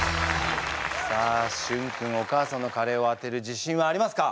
さあしゅん君お母さんのカレーを当てる自信はありますか？